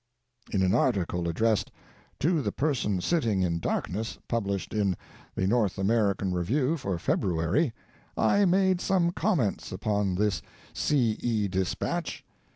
" In an article addressed "To the Person Sitting in Darkness," published in the NORTH AMERICAN EEVIEW for February, I made some comments upon this C. E. dispatch.